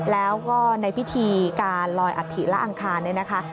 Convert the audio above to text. แล้วก็ในพิธีการลอยอัฐิและอังคารเนี่ยนะคะ